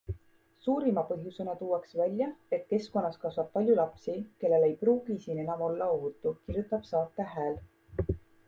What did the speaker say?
Suurima põhjusena tuuakse välja, et keskkonnas kasvab palju lapsi, kellel ei pruugi siin enam olla ohutu, kirjutab Saarte Hääl.